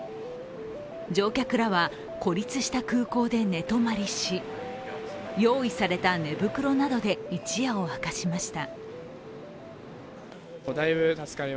乗客らは、孤立した空港で寝泊まりし用意された寝袋で一夜を明かしました。